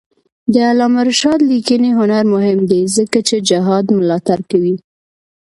د علامه رشاد لیکنی هنر مهم دی ځکه چې جهاد ملاتړ کوي.